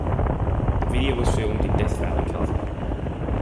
The video was filmed in Death Valley, California.